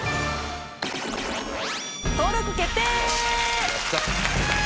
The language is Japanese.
登録決定！